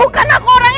bukan aku orangnya